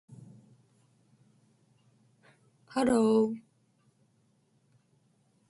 This modelization gave the basis for the massive retaliation nuclear doctrine.